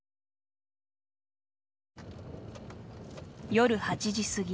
夜８時過ぎ。